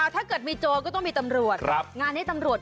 ถ้าเกิดมีโจรก็ต้องมีตำรวจ